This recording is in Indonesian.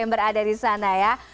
yang berada di sana ya